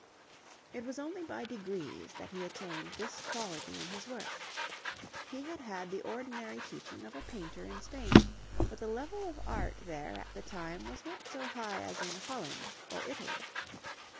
It was only by degrees that he attained this quality in his work. He had had the ordinary teaching of a painter in Spain, but the level of art there at the time was not so high as in Holland or Italy.